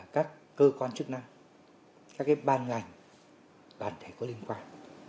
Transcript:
các cơ quan chức năng các ban ngành đoàn thể có liên quan